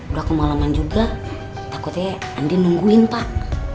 udah kemalaman juga takutnya andi nungguin pak